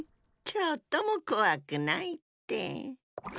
ちょっともこわくないって。